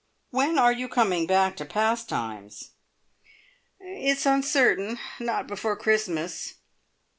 When are you coming back to `Pastimes'?" "It's uncertain. Not before Christmas.